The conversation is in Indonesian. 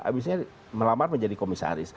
abisnya melamar menjadi komisaris